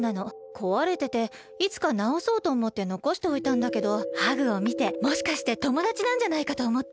こわれてていつかなおそうとおもってのこしておいたんだけどハグをみてもしかしてともだちなんじゃないかとおもって。